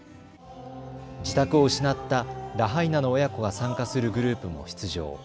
自宅を失ったラハイナの親子が参加するグループも出場。